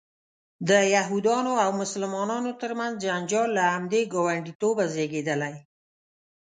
د یهودانو او مسلمانانو ترمنځ جنجال له همدې ګاونډیتوبه زیږېدلی.